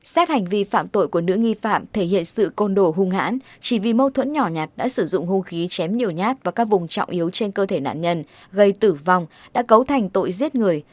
xét hành vi phạm tội của nữ nghi phạm thể hiện sự côn đồ hung hãn chỉ vì mâu thuẫn nhỏ nhạt đã sử dụng hung khí chém nhiều nhát vào các vùng trọng yếu trên cơ thể nạn nhân gây tử vong đã cấu thành tội giết người